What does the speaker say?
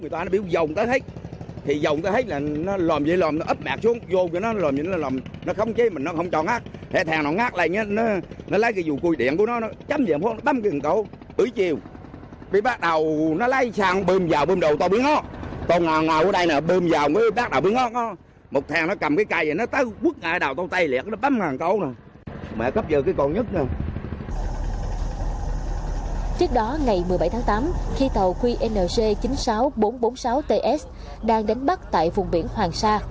trước đó ngày một mươi bảy tháng tám khi tàu qng chín mươi sáu nghìn bốn trăm bốn mươi sáu ts đang đánh bắt tại vùng biển hoàng sa